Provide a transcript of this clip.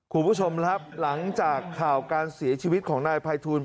คุณผู้ชมครับหลังจากข่าวการเสียชีวิตของนายภัยทูล